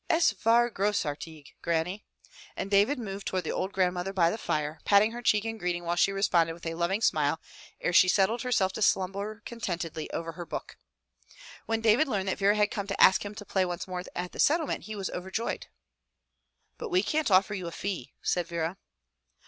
Es war grossartigy Granny!" And David moved toward the old grandmother by the fire, patting her cheek in greeting while she responded with a loving smile ere she settled herself to slumber contentedly over her book. When David learned that Vera had come to ask him to play once more at the Settlement he was overjoyed. "But we can't offer you a fee," said Vera.